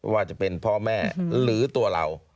ว่าจะเป็นพ่อแม่หรือตัวเรา